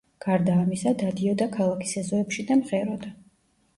გარდა ამისა, დადიოდა ქალაქის ეზოებში და მღეროდა.